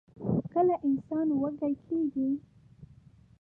کله انسان وږۍ کيږي؟